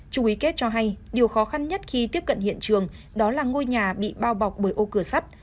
trung ý kết cho hay điều khó khăn nhất khi tiếp cận hiện trường đó là ngôi nhà bị bao bọc bởi ô cửa sắt